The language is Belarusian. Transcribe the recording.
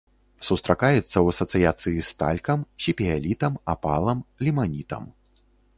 Сустракаецца ў асацыяцыі з талькам, сепіялітам, апалам, ліманітам.